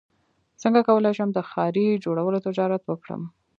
څنګه کولی شم د ښارۍ جوړولو تجارت وکړم